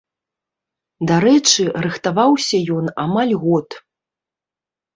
Дарэчы, рыхтаваўся ён амаль год.